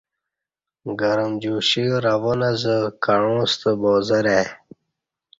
گرم جوشی روان ازہ کعاں ستہ بازارآئی